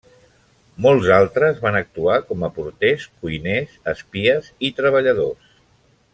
Molts altres van actuar com a porters, cuiners, espies i treballadors.